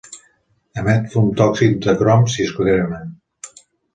Emet fum tòxic de crom si es crema.